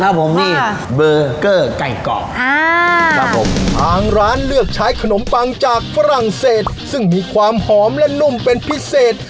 อาหารเลือกใช้ขนมปังจากฝรั่งเศษซึ่งมีความหอมและนุ่มเป็นพิเศษ